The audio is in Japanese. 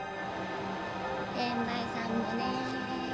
転売さんもね。